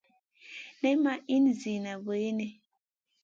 Nay ma ihn ziyna wulini.